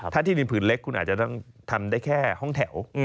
ถ้าที่ดินผืนเล็กคุณอาจจะต้องทำได้แค่ห้องแถว